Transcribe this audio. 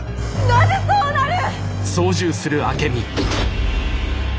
なぜそうなる！？